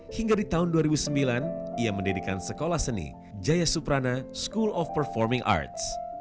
hingga di tahun dua ribu sembilan ia mendirikan sekolah seni jaya suprana school of performing arts